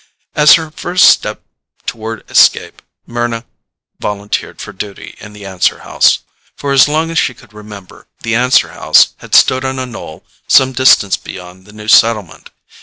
As her first step toward escape, Mryna volunteered for duty in the answer house. For as long as she could remember, the answer house had stood on a knoll some distance beyond the new settlement.